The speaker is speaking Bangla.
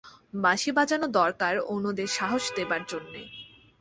বাঁশি বাজানো দরকার অন্যদের সাহস দেবার জন্যে।